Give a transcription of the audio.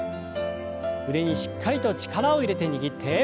腕にしっかりと力を入れて握って。